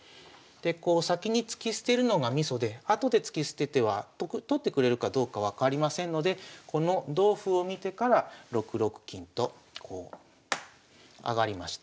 こう先に突き捨てるのがミソで後で突き捨てては取ってくれるかどうか分かりませんのでこの同歩を見てから６六金とこう上がりました。